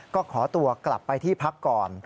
ก็ขอตัวกลับไปที่พักก่อน